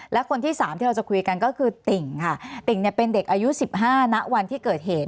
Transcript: และคนที่สามที่เราจะคุยกันก็คือติ่งค่ะติ่งเนี่ยเป็นเด็กอายุ๑๕ณวันที่เกิดเหตุ